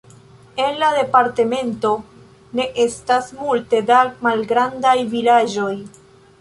En la departemento ne estas multe da malgrandaj vilaĝoj.